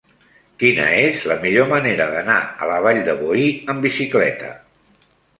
Quina és la millor manera d'anar a la Vall de Boí amb bicicleta?